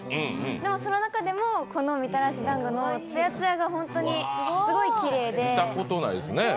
でもその中でもこのみたらしだんごのツヤツヤが本当にすごいきれいで。